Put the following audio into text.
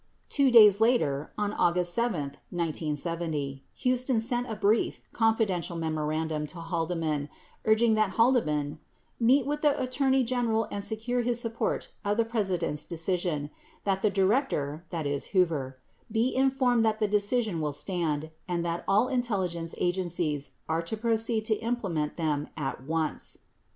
Two days later, on August 7, 1970, Huston sent a brief, confidential memorandum to Haldeman urging that Haldeman "meet with the Attorney General and secure his support for the President's decision, that the Director (Hoover) be informed that the decision will stand, and that all intelligence agencies are to proceed to implement them at once."